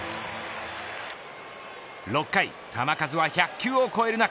６回、球数は１００球を超える中